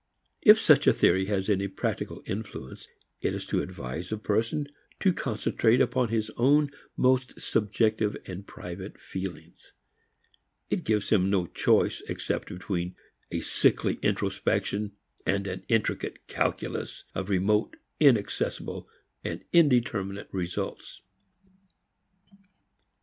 If such a theory has any practical influence, it is to advise a person to concentrate upon his own most subjective and private feelings. It gives him no choice except between a sickly introspection and an intricate calculus of remote, inaccessible and indeterminate results.